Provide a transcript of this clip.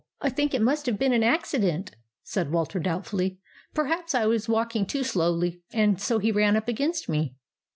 " I think it must have been an accident," said Walter, doubtfully. " Perhaps I was walking too slowly, and so he ran up against me."